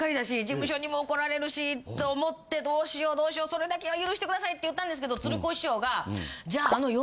事務所にも怒られるしと思ってどうしようどうしようそれだけは許してくださいって言ったんですけど鶴光師匠が。